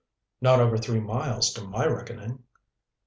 "Not over three miles, to my reckoning."